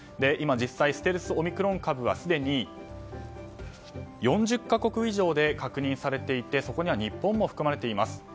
今、実際にステルスオミクロン株はすでに４０か国以上で確認されていてそこには日本も含まれています。